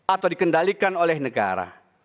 atau dikendalikan oleh negara